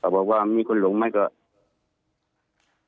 เค้าบอกว่ามีคนหลงหรือไม่